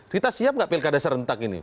kita siap nggak pilkada serentak ini